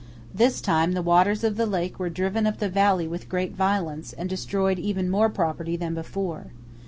This time the waters of the lake were driven up the valley with great violence, and destroyed even more property than before.